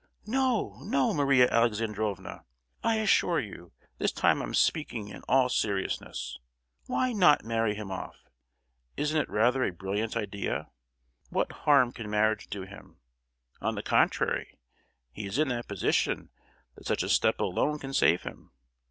"No, no, Maria Alexandrovna; I assure you, this time I'm speaking in all seriousness. Why not marry him off? Isn't it rather a brilliant idea? What harm can marriage do him? On the contrary, he is in that position that such a step alone can save him!